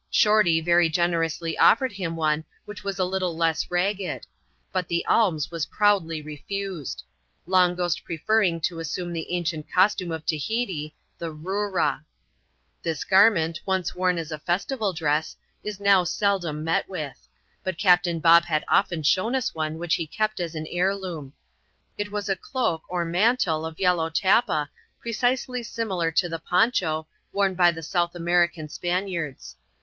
Shorty very generously offered him one which was f a little less ragged ; but the alms was proudly refused ; Long Ghost preferring to assume the ancient costume of Tahiti— the ''Eoorar This garment, once worn as a festival dress, is now seldom i met with ; but Captain Bob had often shown us one which he t kept as an heirloom. It was a cloak, or mantle of yellow tappa, precisely similar to the ^^ poncho^ worn by the South Americai Spaniards.